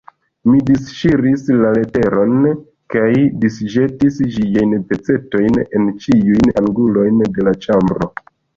Mi disŝiris la leteron kaj disĵetis ĝiajn pecetojn en ĉiujn angulojn de la ĉambro.